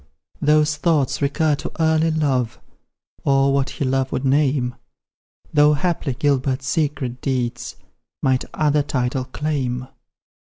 Those thoughts recur to early love, Or what he love would name, Though haply Gilbert's secret deeds Might other title claim.